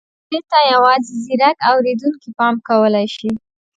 دې ته یوازې ځيرک اورېدونکي پام کولای شي.